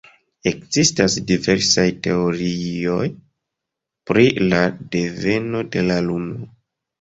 Ekzistas diversaj teorioj pri la deveno de la Luno.